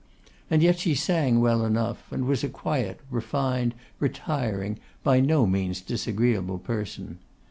And yet she sang well enough, and was a quiet, refined, retiring, by no means disagreeable person.